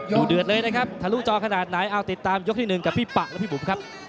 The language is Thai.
ดูเดือดเลยนะครับทะลุจอขนาดไหนเอาติดตามยกที่๑กับพี่ปะและพี่บุ๋มครับ